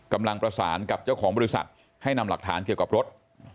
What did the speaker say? กำลังประสานกับเจ้าของบริษัทให้นำหลักฐานเกี่ยวกับรถ